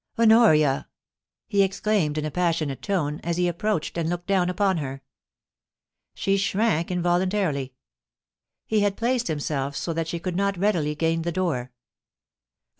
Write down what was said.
' Honoria !' he exclaimed in a passionate tone, as he ap proached and looked down upon her. She shrank involuntarily. He had placed himself so that she could not readily gain the door.